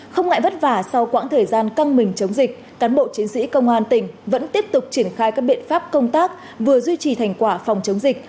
không ngại vất vả sau quãng thời gian căng mình chống dịch cán bộ chiến sĩ công an tỉnh vẫn tiếp tục triển khai các biện pháp công tác vừa duy trì thành quả phòng chống dịch